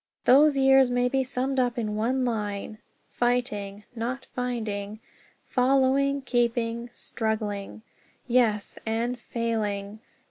Those years may be summed up in one line: "Fighting (not finding), following, keeping, struggling." Yes, and failing!